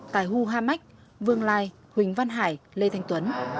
tài hu ha mách vương lai huỳnh văn hải lê thanh tuấn